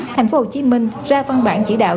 thành phố hồ chí minh ra văn bản chỉ đạo